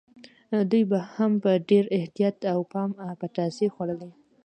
دوی به هم په ډېر احتیاط او پام پتاسې خوړلې.